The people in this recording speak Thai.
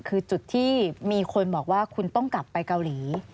คือจุดที่มีคนบอกว่าคุณต้องกลับไปเกาหลี